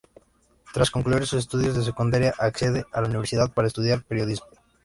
Tras concluir sus estudios de secundaria accede a la universidad para estudiar periodismo.